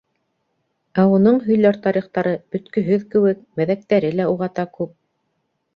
Ә уның һөйләр тарихтары бөткөһөҙ кеүек, мәҙәктәре лә уғата күп.